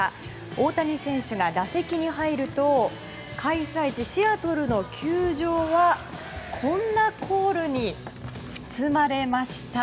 大谷選手が打席に入ると開催地シアトルの球場はこんなコールに包まれました。